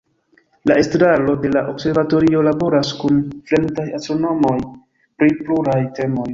La estraro de la observatorio laboras kun fremdaj astronomoj pri pluraj temoj.